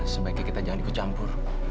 sebaiknya kita jangan dikecampur